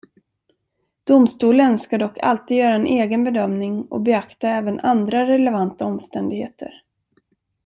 Domstolen ska dock alltid göra en egen bedömning och beakta även andra relevanta omständigheter.